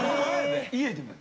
家でも。